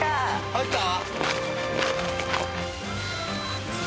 入った？